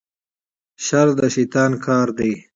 شر د شیطان کار دی